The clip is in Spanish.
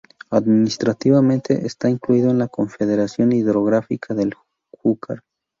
Administrativamente está incluido en la Confederación Hidrográfica del Júcar.